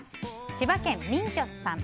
千葉県の方。